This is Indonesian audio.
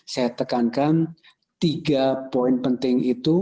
saya tekankan tiga poin penting itu